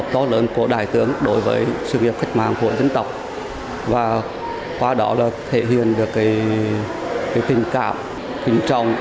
đồng tộc lớn của đại tướng đối với sự nghiệp khách mạng của dân tộc và qua đó là thể hiện được cái tình cảm kính trọng